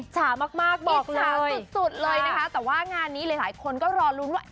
จ๋ามากบอกจ๋าสุดเลยนะคะแต่ว่างานนี้หลายคนก็รอลุ้นว่า